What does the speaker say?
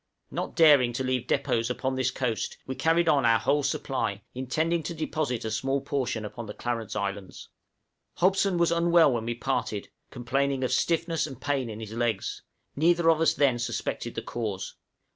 Not daring to leave depôts upon this coast, we carried on our whole supply, intending to deposit a small portion upon the Clarence Islands. Hobson was unwell when we parted, complaining of stiffness and pain in his legs; neither of us then suspected the cause.